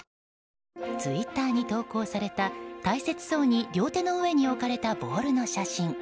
ツイッターに投稿された大切そうに両手の上に置かれたボールの写真。